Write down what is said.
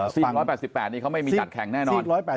ซึ่ง๑๘๘นี่เขาไม่มีจัดแข่งแน่นอน